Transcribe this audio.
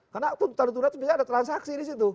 karena tuntutan ditunda itu bisa ada transaksi di situ